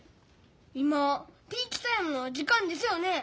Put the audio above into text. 今ピーチタイムの時間ですよね？